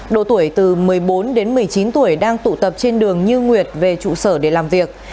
độ tuổi từ một mươi bốn đến một mươi chín tuổi đang tụ tập trên đường như nguyệt về trụ sở để làm việc